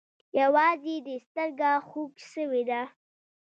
يوازې دې سترگه خوږ سوې ده.